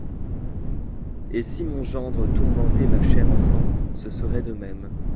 Et si mon gendre tourmentait ma chère enfant, ce serait de même.